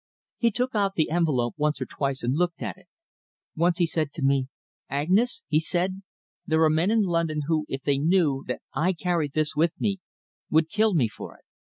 He took out the envelope once or twice and looked at it. Once he said to me, 'Agnes,' he said, 'there are men in London who, if they knew that I carried this with me, would kill me for it.